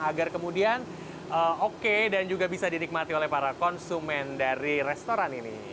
agar kemudian oke dan juga bisa dinikmati oleh para konsumen dari restoran ini